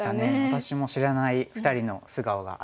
私も知らない２人の素顔がありました。